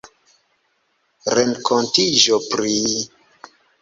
renkontiĝo pri...